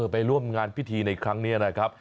ไปร่วมงานพิธีในครั้งนี้นะครับ